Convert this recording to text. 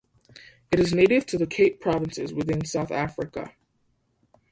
It is native to the Cape Provinces within South African.